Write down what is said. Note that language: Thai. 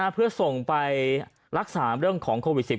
เพื่อส่งไปรักษาเรื่องของโควิด๑๙